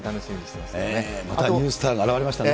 ニュースターが現れましたね。